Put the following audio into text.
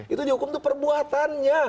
itu dihukum itu perbuatannya